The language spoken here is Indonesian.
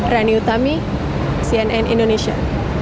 rani utami cnn indonesia